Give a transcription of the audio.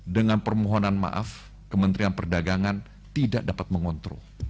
dengan permohonan maaf kementerian perdagangan tidak dapat mengontrol